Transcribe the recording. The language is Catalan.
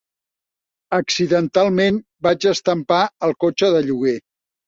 Accidentalment vaig estampar el cotxe de lloguer.